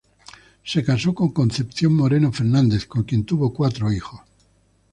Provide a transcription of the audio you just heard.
Se casó con Concepción Moreno Fernández, con quien tuvo cuatro hijos.